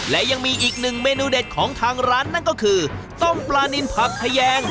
และยังมีอีกหนึ่งเมนูเด็ดของทางร้านนั่นก็คือต้มปลานินผักทะแยง